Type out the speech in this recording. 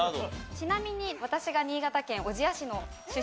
ちなみに私が新潟県小千谷市の出身でして。